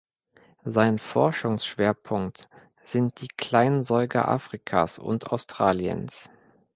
Sein Forschungsschwerpunkt sind die Kleinsäuger Afrikas und Australiens.